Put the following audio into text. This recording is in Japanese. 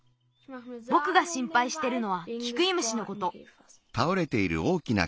ぼくがしんぱいしてるのはキクイムシのこと。